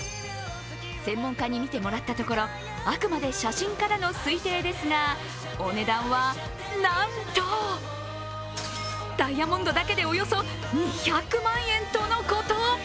専門家に見てもらったところあくまで写真からの推定ですがお値段はなんと、ダイヤモンドだけで、およそ２００万円とのこと。